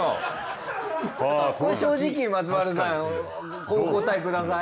正直松丸さんお答えください